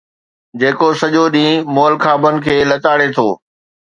جيڪو سڄو ڏينهن مئل خوابن کي لتاڙي ٿو